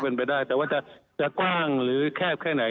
เป็นไปได้แต่ว่าจะกว้างหรือแคบแค่ไหน